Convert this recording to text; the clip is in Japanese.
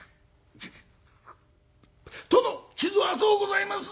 「殿！傷は浅うございます」。